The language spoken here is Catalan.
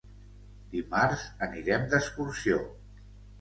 Dimarts anirem d'excursió.